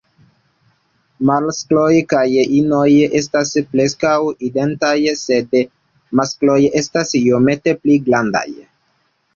Maskloj kaj inoj estas preskaŭ identaj; sed maskloj estas iomete pli grandaj.